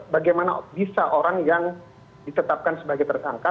bagaimana bisa orang yang ditetapkan sebagai tersangka